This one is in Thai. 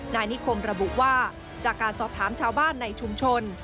นายนิคมระบุว่าจากการสอบถามชาวบ้านในชุมชน